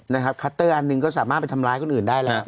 นะครับคัตเตอร์อันหนึ่งก็สามารถไปทำร้ายคนอื่นได้แล้ว